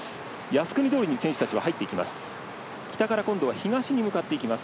靖国通りに選手たちは入っていきます。